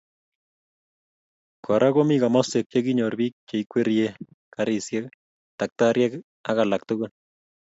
Kora komii komoswek che kinyor bik cheikwerie karisiek, taktariek ak alak tukul